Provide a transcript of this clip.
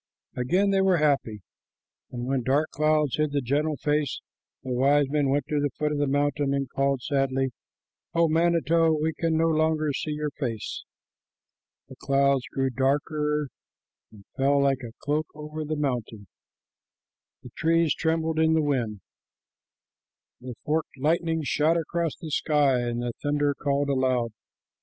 Again they were happy, but when dark clouds hid the gentle face, the wise men went to the foot of the mountain and called sadly, "O manito, we can no longer see your face." The clouds grew darker and fell like a cloak over the mountain, the trees trembled in the wind, the forked lightning shot across the sky, and the thunder called aloud.